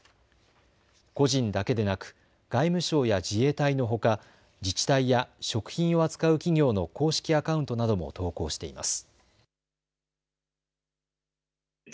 個人だけでなく外務省や自衛隊のほか、自治体や食品を扱う企業の公式アカウントなども投稿しています。